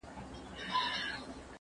زه به سبا لاس پرېولم وم!!